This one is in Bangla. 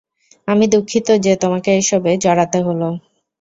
আমি দুঃখিত যে তোমাকে এসবে জড়াতে হলো।